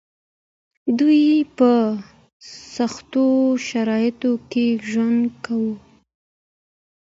دوی په سختو شرايطو کې ژوند کاوه.